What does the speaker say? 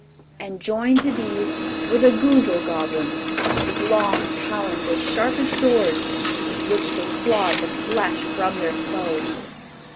And joined to these were the Goozzle Goblins, with long talons as sharp as swords, with which they clawed the flesh from their foes.